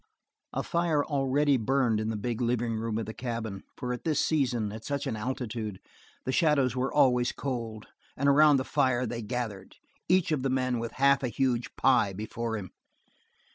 A fire already burned in the big living room of the cabin, for at this season, at such an altitude, the shadows were always cold, and around the fire they gathered, each of the men with half a huge pie before him.